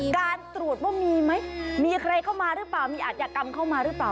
การตรวจว่ามีไหมมีใครเข้ามาหรือเปล่ามีอัธยากรรมเข้ามาหรือเปล่า